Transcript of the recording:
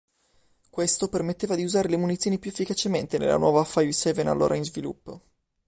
Questo permetteva di usare la munizione più efficacemente nella nuova Five-seveN allora in sviluppo.